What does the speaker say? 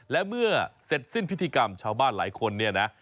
และเมื่อเสร็จสิ้นพิธีกรรมชาวบ้านหลายคนเนี่ยนะ